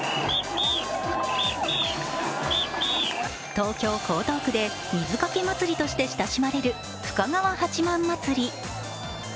東京・江東区で水かけ祭りとして親しまれる深川八幡祭り。